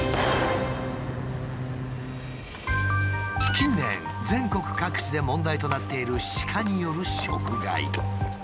近年全国各地で問題となっている鹿による食害。